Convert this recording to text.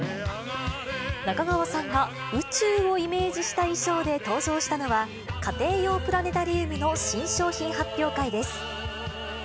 中川さんが宇宙をイメージした衣装で登場したのは、家庭用プラネタリウムの新商品発表会です。